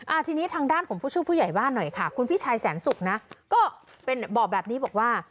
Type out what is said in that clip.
ทีนี้ทางด้านของผู้ช่วยผู้ใหญ่บ้านหน่อยค่ะคุณพี่ชายแสนศุกร์นะก็เป็นบอกแบบนี้บอกว่า